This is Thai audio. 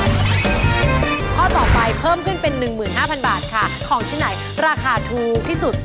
ข้อต่อไปเพิ่มขึ้นเป็น๑๕๐๐บาทค่ะของชิ้นไหนราคาถูกที่สุด